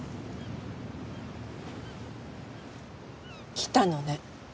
来たのね。